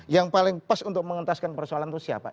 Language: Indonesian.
yang paling pas untuk mengentaskan persoalan itu siapa